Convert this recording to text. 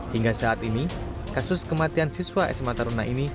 hingga saat ini kasus kematian siswa sma taruna ini